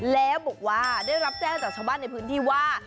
แล้วบอกว่าได้รับแจ้งจากชาวบ้านในพื้นที่ว่า